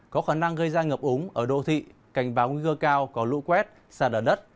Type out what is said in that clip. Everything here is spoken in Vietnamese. có khả năng gây ra ngập úng ở đô thị cảnh báo nguy cơ cao có lũ quét xa đở đất